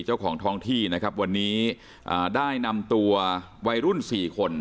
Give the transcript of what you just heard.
เจ้าของท้องที่วันนี้ได้นำตัววัยรุ่น๔คน